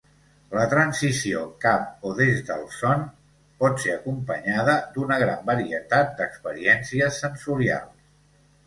La transició cap o des del son pot ser acompanyada d'una gran varietat d'experiències sensorials.